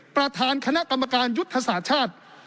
ประธานคณะกรรมการยุทธศาสตร์ชาติ